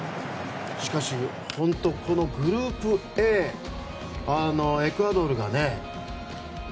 しかし、本当にこのグループＡはエクアドルが。